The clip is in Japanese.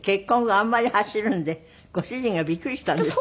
あんまり走るんでご主人がびっくりしたんですって？